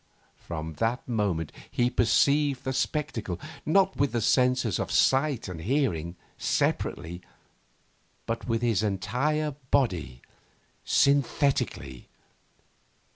From that moment he perceived the spectacle, not with the senses of sight and hearing, separately, but with his entire body synthetically.